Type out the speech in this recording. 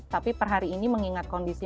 tapi per hari ini mengingat kondisi